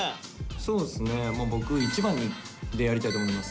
そうですねまあ僕１番でやりたいと思います。